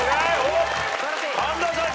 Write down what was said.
神田さん